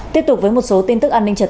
tiếp tục với một số tin tức an ninh trật tự